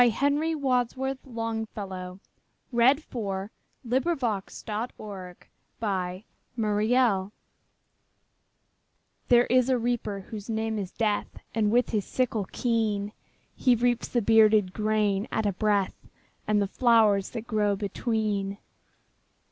Henry Wadsworth Longfellow The Reaper And The Flowers THERE is a Reaper whose name is Death, And, with his sickle keen, He reaps the bearded grain at a breath, And the flowers that grow between.